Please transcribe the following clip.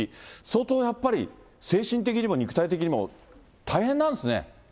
相当やっぱり精神的にも肉体的にも大変なんですね。